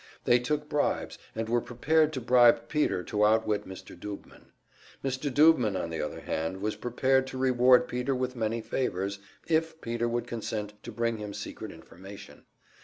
They took bribes, and were prepared to bribe Peter to outwit Mr. Doobman; Mr. Doobman, on the other hand, was prepared to reward Peter with many favors, if Peter would consent to bring him secret information.